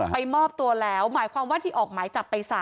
มอบตัวแล้วหมายความว่าที่ออกหมายจับไป๓